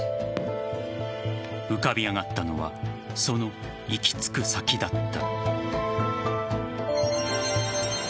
浮かび上がったのはその行き着く先だった。